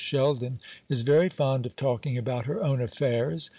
Sheldon is very fond of talking about her own affairs.